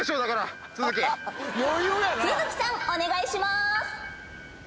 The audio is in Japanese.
お願いします。